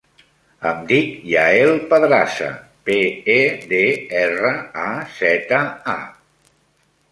Em dic Yael Pedraza: pe, e, de, erra, a, zeta, a.